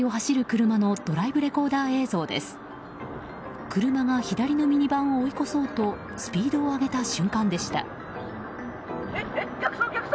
車が左のミニバンを追い越そうとスピードを上げた瞬間でした。